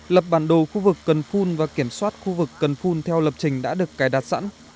lập bản đồ khu vực cần phun và kiểm soát khu vực cần phun theo lập trình đã được cài đặt sẵn